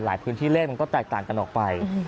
พื้นที่เลขมันก็แตกต่างกันออกไป